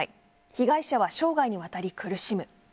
被害者は生涯にわたり苦しむ。